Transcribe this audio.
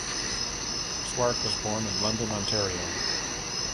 Swart was born in London, Ontario.